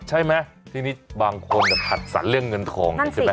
ใช่ไหมที่นี้บางคนจะผัดสารเลี่ยงเงินทอง